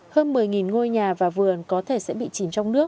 hơn một mươi ngôi nhà và vườn có thể sẽ bị chìm trong nước